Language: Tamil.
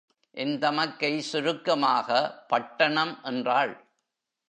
என் தமக்கை சுருக்கமாக, பட்டணம் என்றாள்.